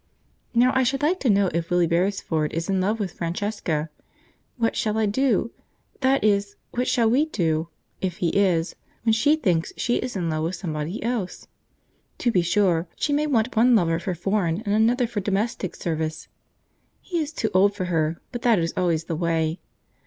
Now I should like to know if Willie Beresford is in love with Francesca. What shall I do that is what shall we do if he is, when she is in love with somebody else? To be sure, she may want one lover for foreign and another for domestic service. He is too old for her, but that is always the way.